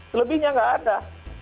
selebihnya nggak ada